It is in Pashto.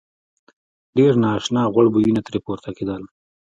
ډېر نا آشنا غوړ بویونه ترې پورته کېدل.